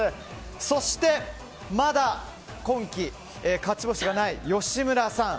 そして、まだ今季、勝ち星のない吉村さん。